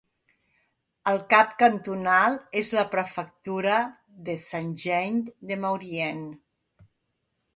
El cap cantonal és la prefectura de Saint-Jean-de-Maurienne.